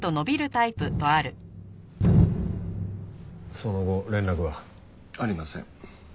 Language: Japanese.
その後連絡は？ありません。